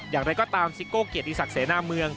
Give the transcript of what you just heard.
อย่างไรก็ตามซิโก้เกียรติศักดิเสนาเมือง